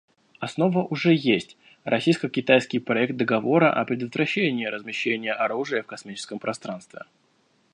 Основа уже есть — российско-китайский проект договора о предотвращении размещения оружия в космическом пространстве.